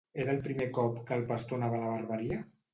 Era el primer cop que el pastor anava a la barberia?